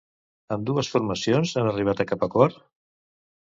Ambdues formacions han arribat a cap acord?